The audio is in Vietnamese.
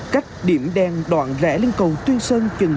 cách điểm đen đoạn rẽ lên cầu tuyên sơn chừng một trăm linh m